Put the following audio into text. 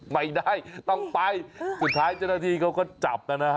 ไม่ได้ต้องไปสุดท้ายเจ้าหน้าที่เขาก็จับนะฮะ